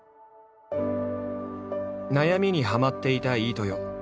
悩みにはまっていた飯豊。